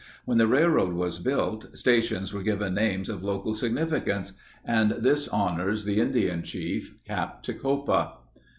When the railroad was built stations were given names of local significance and this honors the Indian chief, Cap Tecopa.